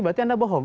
berarti anda bohong